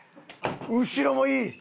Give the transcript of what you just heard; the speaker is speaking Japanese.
後ろもいい！